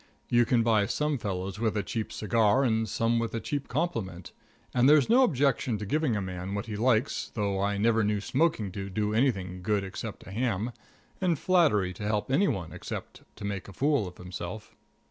You can buy some fellows with a cheap cigar and some with a cheap compliment, and there's no objection to giving a man what he likes, though I never knew smoking to do anything good except a ham, or flattery to help any one except to make a fool of himself.